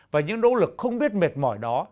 và những nỗ lực không biết mệt mỏi đó